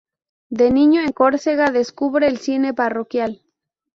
De niño en Córcega, descubre el cine parroquial.